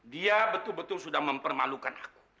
dia betul betul sudah mempermalukan aku